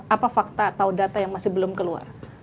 apa fakta atau data yang masih belum keluar